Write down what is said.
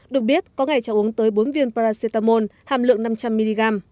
được biết có ngày cháu uống tới bốn viên paracetamol hàm lượng năm trăm linh mg